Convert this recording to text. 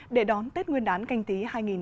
để đón tết nguyên đán canh tí hai nghìn hai mươi